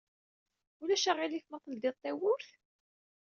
Ulac aɣilif ma teldiḍ tawwurt?